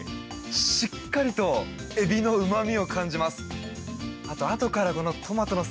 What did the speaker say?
しっかりとエビのうま味を感じます。